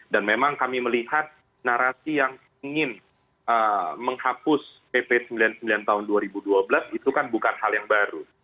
dan memang kami melihat narasi yang ingin menghapus pp sembilan puluh sembilan tahun dua ribu dua belas itu kan bukan hal yang baru